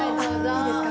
いいですか。